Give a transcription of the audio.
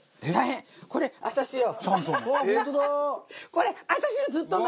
これ私のずっと前。